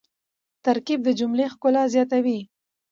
ترکیب د جملې ښکلا زیاتوي.